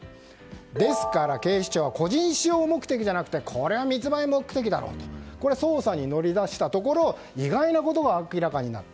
ですから、警視庁は個人使用目的ではなくてこれは密売目的だろうと捜査に乗り出したところ意外なことが明らかになった。